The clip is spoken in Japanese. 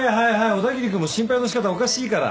小田切君も心配のしかたおかしいから。